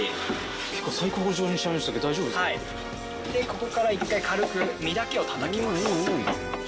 ここから一回軽く身だけをたたきます。